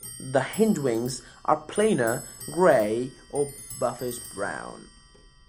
The hindwings are plainer, grey or buffish brown.